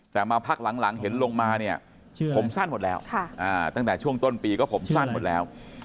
แต่มาพักหลังเห็นลงมาเนี่ยผมสั้นหมดแล้วตั้งแต่ช่วงต้นปีก็ผมสั้นหมดแล้ว